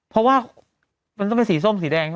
เพราะว่ามันต้องเป็นสีส้มสีแดง